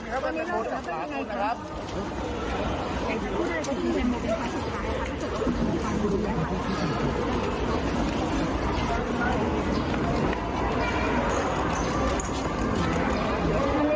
ถูกพูดใครก็ไม่เชื่อแล้วก็ถามฉันเรียนทำไมครับตอนเนี้ย